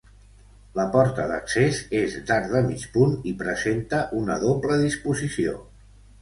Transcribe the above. La porta d'accés és d'arc de mig punt i presenta una doble disposició.